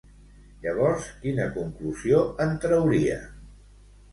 Llavors quina conclusió en trauria?